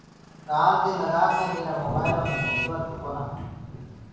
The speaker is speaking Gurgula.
ڪآل دي لگآڪي ميرآ موبآئلو مي نيٽورڪ ڪونآ